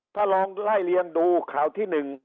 ถ้าลองไล่เลี้ยงดูข่าวที่หนึ่ง